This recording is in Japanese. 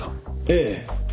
ええ。